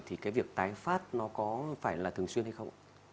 thì cái việc tái phát nó có phải là thường xuyên hay không